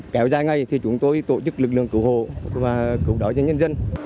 kéo dài ngay thì chúng tôi tổ chức lực lượng cứu hộ và cứu đỡ cho nhân dân